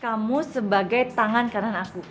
kamu sebagai tangan kanan aku